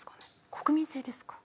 国民性ですか？